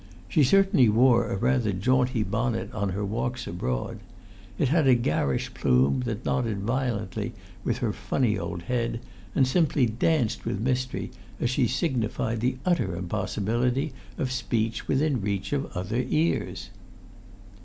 She certainly wore a rather jaunty bonnet on her walks abroad. It had a garish plume that nodded violently with her funny old head, and simply danced with mystery as she signified the utter impossibility of speech within reach of other ears.